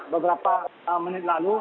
beberapa menit lalu